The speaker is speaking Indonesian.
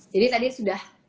jadi tadi sudah